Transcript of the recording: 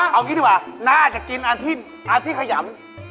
เอางี้ดีกว่าน่าจะกินอันที่ขยำ